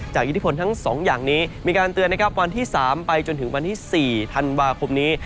อิทธิพลทั้ง๒อย่างนี้มีการเตือนนะครับวันที่๓ไปจนถึงวันที่๔ธันวาคมนี้